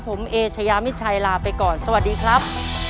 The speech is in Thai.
ผมเอเชยามิชัยลาไปก่อนสวัสดีครับ